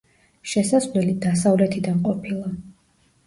შესასვლელი დასავლეთიდან ყოფილა.